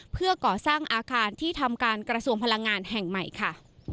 เพื่อก่อสร้างอาคารที่ทำการกระทรวงพลังงานแห่งใหม่ค่ะ